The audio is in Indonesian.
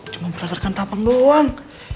cuma berdasarkan tampang doang